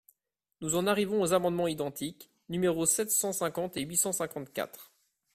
Nous en arrivons aux amendements identiques, numéros sept cent cinquante et huit cent cinquante-quatre.